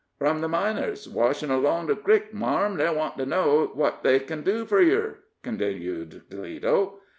"From the miners, washin' along the crick, marm they want to know what they ken do fur yer," continued Toledo.